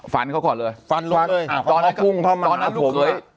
ฟันเขาก่อนเลยฟันลงเลย